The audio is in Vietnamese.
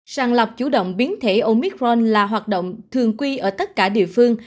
sàng lọc chủ động biến thể omicron là hoạt động thường quy ở tất cả địa phương